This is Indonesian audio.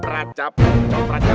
sebagai tanggung jawab adalah